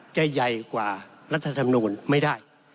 จะใหญ่กว่ารัฐธรรมนูลไม่ได้